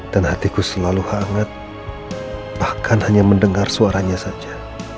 dan hatiku selalu hangat bahkan hanya mendengar suaranya saja